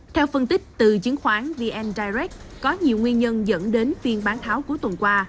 theo phân tích từ chứng khoán vn direct có nhiều nguyên nhân dẫn đến phiên bán tháo cuối tuần qua